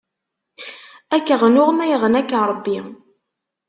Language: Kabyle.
Ad k-ɣnuɣ, ma iɣna-k Ṛebbi.